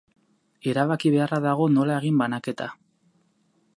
Erabaki beharra dago nola egin banaketa.